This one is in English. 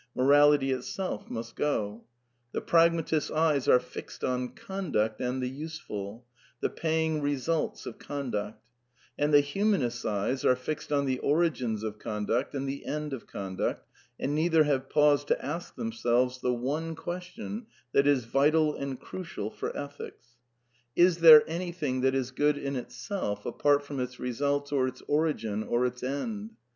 Morality itselfr must go. The pragmatist's eyes are fixed on conduct and the useful, the paying results of conduct ; and the human ist's eyes are fixed on the origins of conduct and the end of conduct, and neither have paused to ask themselves the one question that is vital and crucial for Ethics: Is there 150 A DEFENCE OF IDEALISM i^.^ .^^nything that is good in itself, apart from its results or its origin, or its end